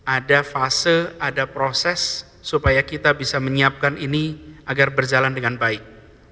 ada fase ada proses supaya kita bisa menyiapkan ini agar berjalan dengan baik